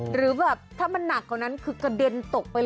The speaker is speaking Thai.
หรือแบบถ้ามันหนักกว่านั้นคือกระเด็นตกไปเลย